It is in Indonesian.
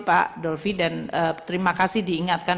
pak dolvi dan terima kasih diingatkan